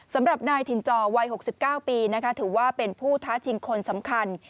สำหรับนายถิ่นจอวัย๖๙ปีถือว่าเป็นผู้ท้าชิงคนสำคัญ